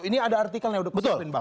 ini ada artikel yang udah kesolin bang